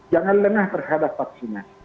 jangan lenah terhadap vaksinnya